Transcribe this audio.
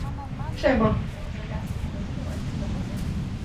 肾功能不全会增加死亡和心血管疾病的风险。